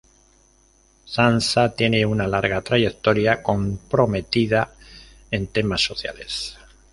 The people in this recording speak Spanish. Sansa tiene una larga trayectoria comprometida en temas sociales.